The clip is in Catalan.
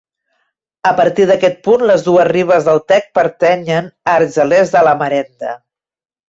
A partir d'aquest punt les dues ribes del Tec pertanyen a Argelers de la Marenda.